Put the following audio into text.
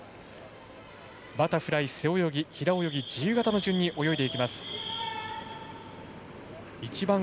バタフライ、背泳ぎ平泳ぎ、自由形の順に泳いでいきます。